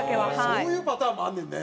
そういうパターンもあんねんね。